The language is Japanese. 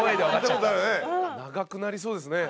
長くなりそうですね。